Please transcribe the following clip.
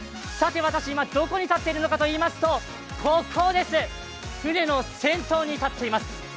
さて私、今どこに立っているかというと船の先頭に立っています。